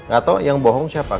gak tau yang bohong siapa